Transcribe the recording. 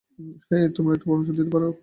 হেই, আমায় একটা পরামর্শ দিতে পারো?